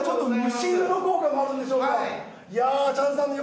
蒸し風呂効果もあるんでしょうか。